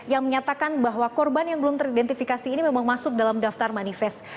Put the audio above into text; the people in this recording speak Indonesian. yang menyatakan bahwa korban yang belum teridentifikasi ini memang masuk dalam daftar manifest